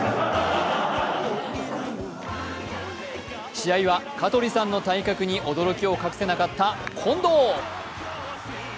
試合は香取さんの体格に驚きを隠せなかった近藤。